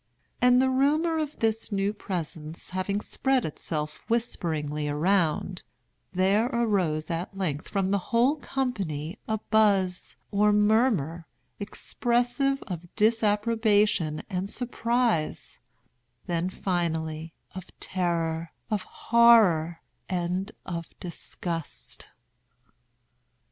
And the rumor of this new presence having spread itself whisperingly around, there arose at length from the whole company a buzz, or murmur, expressive of disapprobation and surprise—then, finally, of terror, of horror, and of disgust.